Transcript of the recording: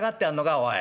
おい。